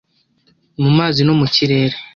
mu mazi no mu kirere;